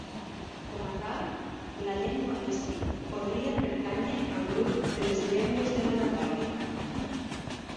Com a tal, la llengua misi podria pertànyer al grup de les llengües de l'Anatòlia.